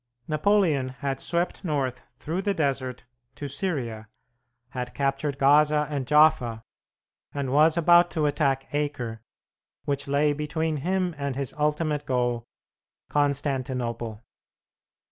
Napoleon had swept north through the desert to Syria, had captured Gaza and Jaffa, and was about to attack Acre, which lay between him and his ultimate goal, Constantinople.